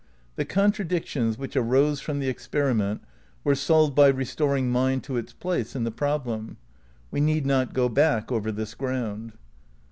The contradic tions which arose from the experiment were solved by restoring mind to its place in the problem. We need not go back over this ground.